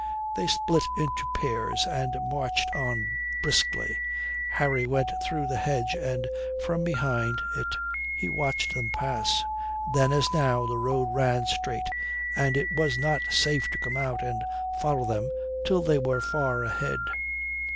They split into pairs and marched on briskly. Harry went through the hedge, and from behind it he watched them pass. Then, as now, the road ran straight, and it was not safe to come out and follow them till they were far ahead.